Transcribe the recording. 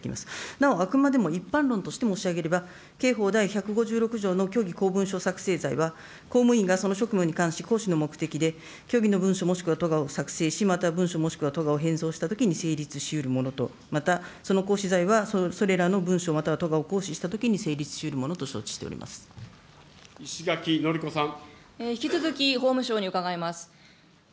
なおあくまでも一般論として申し上げれば、刑法第１５６条の虚偽公文書作成罪は、公務員がその職務に関し、行使の目的で、虚偽の文書もしくは図画を作成し、また文書もしくは図画を変造したときに成立しうるものと、またそのはそれらの文書または図画を行使したときに成立しうる石垣のりこさん。